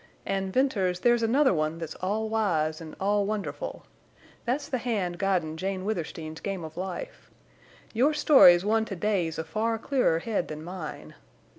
An', Venters there's another one that's all wise an' all wonderful. That's the hand guidin' Jane Withersteen's game of life!... Your story's one to daze a far clearer head than mine.